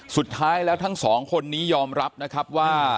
สุดท้ายแล้วทั้งสองคนนี้ยอมรับนะครับว่า